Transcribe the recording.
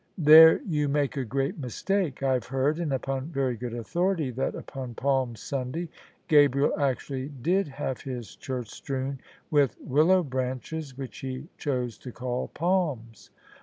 There you make a great mis take. I have heard — and upon very good authority — ^that upon Palm Sunday Gabriel actually did have his church strewn with willow branches which he chose to call palms.